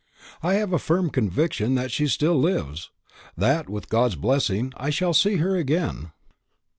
"I have a firm conviction that she still lives; that, with God's blessing, I shall see her again."